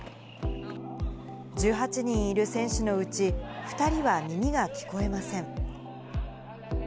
１８人いる選手のうち２人は耳が聞こえません。